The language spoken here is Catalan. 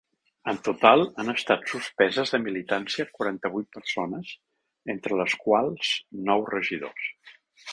En total, han estat suspeses de militància quaranta-vuit persones, entre les quals nou regidors.